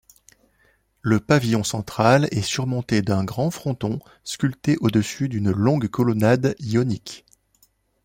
Le pavillon central est surmonté d’un grand fronton sculpté au-dessus d’une longue colonnade ionique.